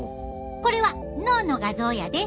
これは脳の画像やで。